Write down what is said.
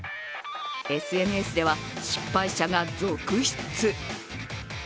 ＳＮＳでは失敗者が続出。